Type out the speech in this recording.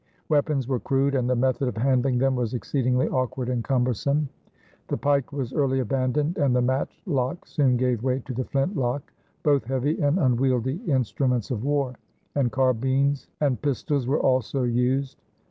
Weapons were crude, and the method of handling them was exceedingly awkward and cumbersome. The pike was early abandoned and the matchlock soon gave way to the flintlock both heavy and unwieldy instruments of war and carbines and pistols were also used.